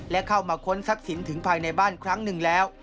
และเข้ามาค้นทรัพย์สินถึงภายในบ้านครั้งหนึ่งแล้ว